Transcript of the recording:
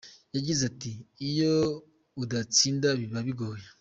Yagize ati “Iyo udatsinda biba bigoye.